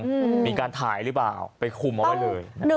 รูดหรือยังมีการถ่ายหรือเปล่าไปคุมเอาไว้เลย